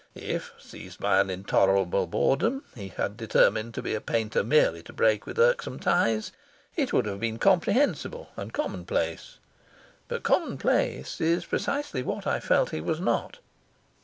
If, seized by an intolerable boredom, he had determined to be a painter merely to break with irksome ties, it would have been comprehensible, and commonplace; but commonplace is precisely what I felt he was not.